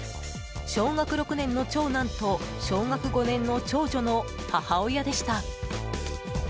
小学６年の長男と小学５年の長女の母親でした。